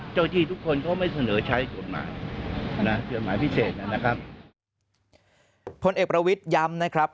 เจ้าที่ทุกคนก็ไม่เสนอใช้กฎหมายนะครับ